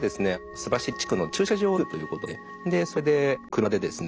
須走地区の駐車場を造るということでそれで車でですね